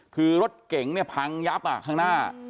คือรถเก่งภังญับครั่งหน้า